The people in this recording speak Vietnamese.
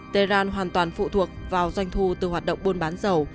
tehran hoàn toàn phụ thuộc vào doanh thu từ hoạt động buôn bán dầu